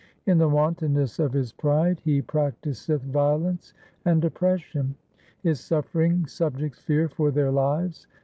In the wantonness of his pride he practiseth violence and oppression. His suffering subjects fear for their lives.